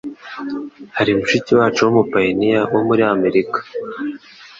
Hari mushiki wacu w'umupayiniya wo muri Amerika